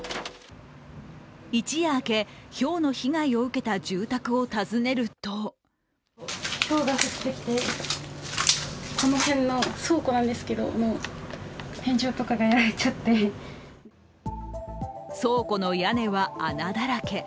一夜明け、ひょうの被害を受けた住宅を訪ねると倉庫の屋根は穴だらけ。